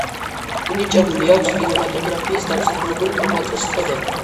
მინიჭებული აქვს კინემატოგრაფიის დამსახურებული მოღვაწის წოდება.